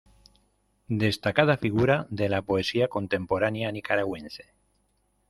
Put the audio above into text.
Destacada figura de la poesía contemporánea nicaragüense.